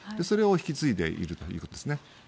それを引き継いでいるということですね。